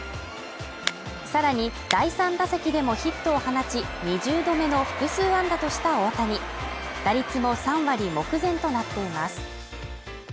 さらに、第３打席でもヒットを放ち、２０度目の複数安打とした大谷打率も３割目前となっています。